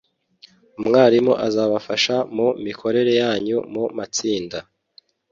umwarimu uzabafasha mu mikorere yanyu mu matsinda